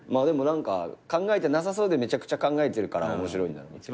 でも何か考えてなさそうでめちゃくちゃ考えてるから面白い。